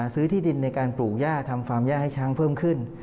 ที่ดินในการปลูกย่าทำฟาร์มย่าให้ช้างเพิ่มขึ้น